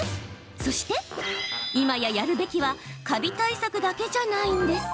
そして、今やるべきはカビ対策だけじゃないんです。